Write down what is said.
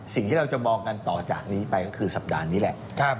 สิ่งที่เราจะมองกันต่อจากนี้ไปก็คือสัปดาห์นี้แหละ